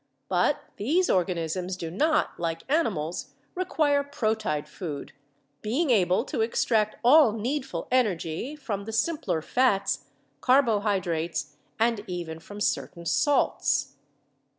But these organisms do not, like animals, require proteid food, being able to extract all needful energy from the simpler fats, carbohydrates, and even from certain salts.